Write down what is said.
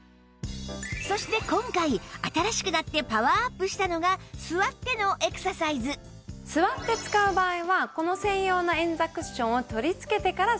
そして今回新しくなってパワーアップしたのが座ってのエクササイズ座って使う場合はこの専用の円座クッションを取り付けてから座ります。